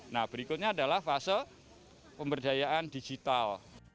nah berikutnya adalah fase pemberdayaan digital